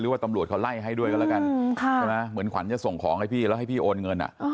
ว่าตำรวจเขาไล่ให้ด้วยกันแล้วกันเหมือนขวัญจะส่งของให้พี่แล้วให้พี่โอนเงิน